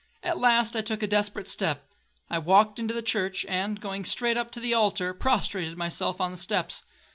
At last I took a desperate step. I walked into the church, and, going straight up to the altar, prostrated myself on the steps.